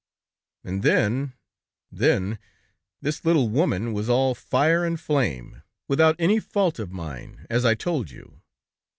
"And then ... Then, this little woman was all fire and flame, without any fault of mine, as I told you!